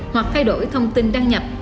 hoặc thay đổi thông tin đăng nhập